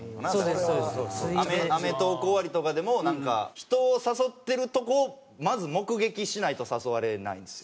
『アメトーーク』終わりとかでも人を誘ってるとこをまず目撃しないと誘われないんですよ。